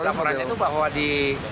laporannya itu bahwa di